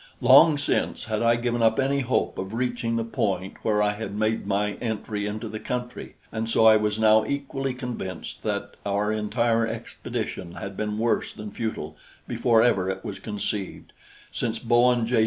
Long since, had I given up any hope of reaching the point where I had made my entry into the country, and so I was now equally convinced that our entire expedition had been worse than futile before ever it was conceived, since Bowen J.